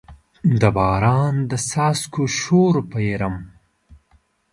د باران د څاڅکو شور پیرم